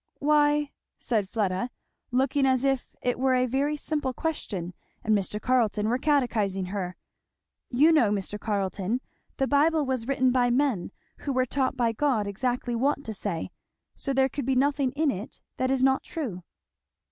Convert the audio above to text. "Why," said Fleda, looking as if it were a very simple question and Mr. Carleton were catechising her, "you know, Mr. Carleton, the Bible was written by men who were taught by God exactly what to say, so there could be nothing in it that is not true."